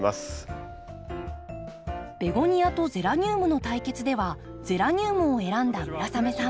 ベゴニアとゼラニウムの対決ではゼラニウムを選んだ村雨さん。